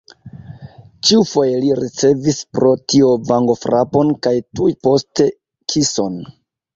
Ĉiufoje li ricevis pro tio vangofrapon kaj tuj poste kison.